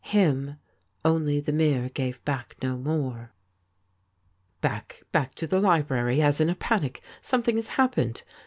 Him only the mirror gave back no more. 43 THIS IS ALL Back ! back to the library as in a panic. Something has happened